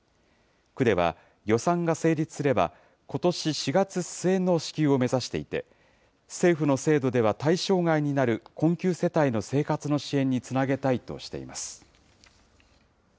区では予算が成立すれば、ことし４月末の支給を目指していて、政府の制度では対象外になる困窮世帯の生活の支援につなげたいとしています。